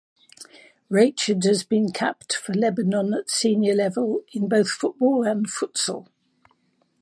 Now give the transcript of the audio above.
Rachid has been capped for Lebanon at senior level in both football and futsal.